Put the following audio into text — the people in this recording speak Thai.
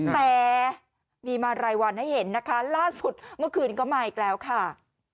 แต่มีมารายวันให้เห็นนะคะล่าสุดเมื่อคืนก็มาอีกแล้วค่ะ